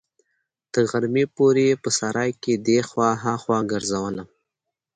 تر غرمې پورې يې په سراى کښې دې خوا ها خوا ګرځولم.